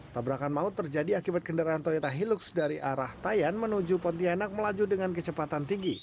tabrakan maut terjadi akibat kendaraan toyota hilux dari arah tayan menuju pontianak melaju dengan kecepatan tinggi